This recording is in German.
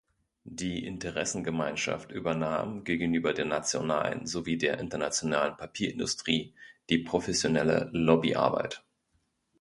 Die Interessengemeinschaft übernahm gegenüber der nationalen sowie der internationalen Papierindustrie die professionelle Lobbyarbeit.